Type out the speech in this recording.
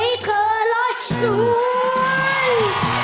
ชัยเกียร์ทวี